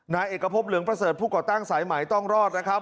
นายเอกพบเหลืองประเสริฐผู้ก่อตั้งสายใหม่ต้องรอดนะครับ